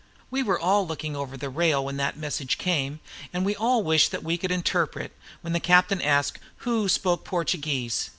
We were all looking over the rail when the message came, and we all wished we could interpret, when the captain asked who spoke Portuguese.